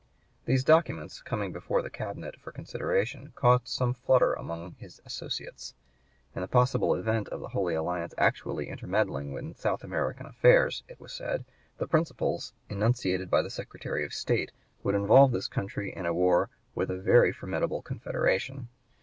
These documents, coming before the Cabinet for consideration, caused some flutter among his associates. In the possible event of the Holy Alliance actually intermeddling in South American affairs, it was (p. 133) said, the principles enunciated by the Secretary of State would involve this country in war with a very formidable confederation.